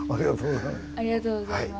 ありがとうございます。